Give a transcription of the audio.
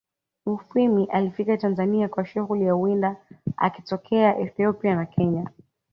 Mufwimi alifika Tanzania kwa shughuli ya uwinda akitokea Ethiopia na kenya